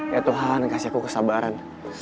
ya tuhan kasih aku kesabaran